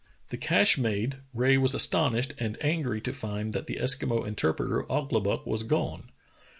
The cache made, Rae was astonished and angry to find that the Eskimo interpreter, Ouglibuck, was gone.